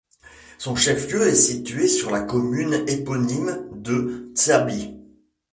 Son chef-lieu est situé sur la commune éponyme de Tsabit.